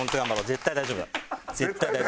絶対大丈夫。